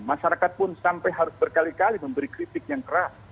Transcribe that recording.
masyarakat pun sampai harus berkali kali memberi kritik yang keras